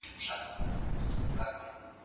د ماشوم د خوراک اندازه د عمر سره برابره کړئ.